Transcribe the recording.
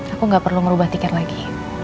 aku gak perlu merubah tiket lagi